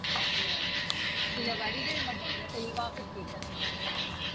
சில வரிகள் மட்டும் தெளிவாகக் கேட்டனர்.